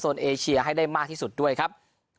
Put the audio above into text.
ส่วนเอเชียให้ได้มากที่สุดด้วยครับ